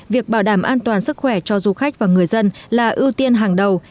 việc bảo đảm an toàn sức khỏe cho du khách và người dân là ưu tiên hàng đầu